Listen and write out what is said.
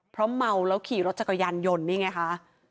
เพราะเมาแล้วขี่รถจักรยานยนต์นี่ไงคะ